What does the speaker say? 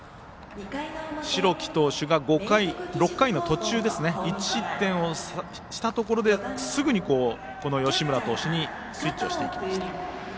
代木投手が６回途中１失点をしたところですぐに吉村投手にスイッチしていきました。